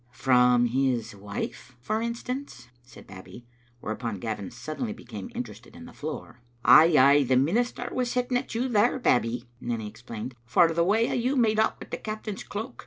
"From his wife, for instance," said Babbie, where upon Gavin suddenly became interested in the floor. " Ay, ay, the minister was hitting at you there. Bab bie," Nanny explained, "for the way you made off wi' the captain's cloak.